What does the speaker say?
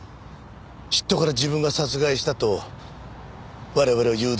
嫉妬から自分が殺害したと我々を誘導するために。